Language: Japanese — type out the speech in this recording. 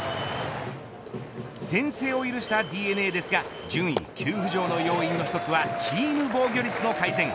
先制を許したＤｅＮＡですが順位急浮上の要因の一つはチーム防御率の改善。